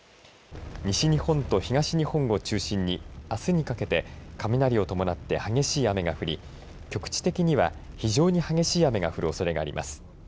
西日本と東日本を中心にあすにかけて雷を伴って激しい雨が降り局地的には非常に激しい雨が降るおそれがあります。